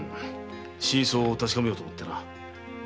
真相を確かめようと思ってな。